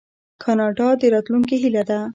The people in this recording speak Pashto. کاناډا د راتلونکي هیله ده.